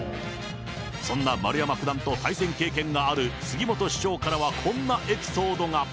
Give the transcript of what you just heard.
そんな丸山九段と対戦経験がある杉本師匠からはこんなエピソードが。